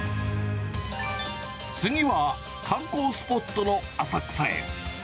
次は、観光スポットの浅草へ。